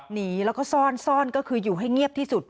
หนีแล้วก็ซ่อนซ่อนก็คืออยู่ให้เงียบที่สุด